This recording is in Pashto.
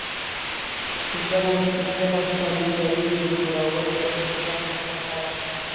ظالم ته دلیل جوړول د زخم نښه ده.